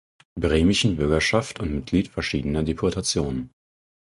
Bremischen Bürgerschaft und Mitglied verschiedener Deputationen.